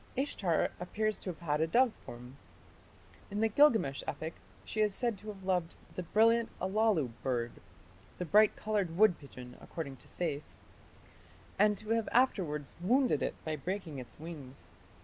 Ishtar appears to have had a dove form. In the Gilgamesh epic she is said to have loved the "brilliant Allalu bird" (the "bright coloured wood pigeon", according to Sayce), and to have afterwards wounded it by breaking its wings.